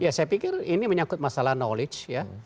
ya saya pikir ini menyangkut masalah knowledge ya